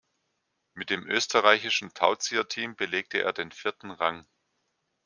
Mit dem österreichischen Tauzieher-Team belegte er den vierten Rang.